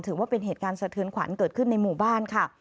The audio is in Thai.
ถือว่าเป็นเหตุการณ์สะเทือนขวัญเกิดขึ้นในหมู่บ้านค่ะ